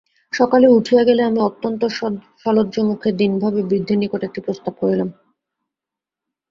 সকলে উঠিয়া গেলে আমি অত্যন্ত সলজ্জমুখে দীনভাবে বৃদ্ধের নিকট একটি প্রস্তাব করিলাম।